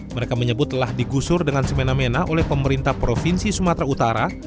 mereka menyebut telah digusur dengan semena mena oleh pemerintah provinsi sumatera utara